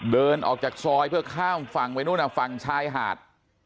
เดินออกจากซอยเพื่อข้ามฝั่งไปนู่นฝั่งชายหาด